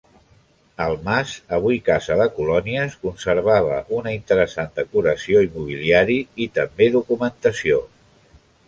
El mas, avui casa de colònies, conservava una interessant decoració i mobiliari, i també documentació.